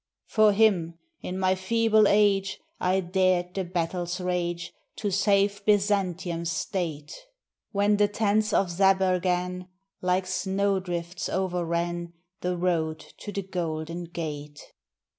For him, in my feeble age, I dared the battle's rage, To save Byzantium's state, When the tents of Zabergan Like snowdrifts overran The road to the Golden Gate.